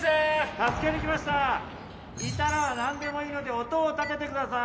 助けに来ましたいたら何でもいいので音を立ててください